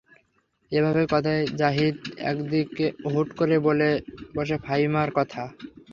এভাবেই কথায় কথায় জাহিদ একদিন হুট করে বলে বসে ফাহিমার কথা।